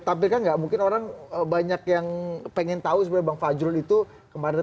tapi kan enggak mungkin orang banyak yang pengen tahu sebagai bang fajrul itu kemarin